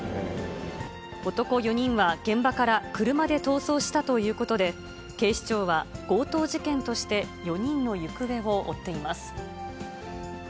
男４人は現場から車で逃走したということで、警視庁は、強盗事件として４人の行方を追っています。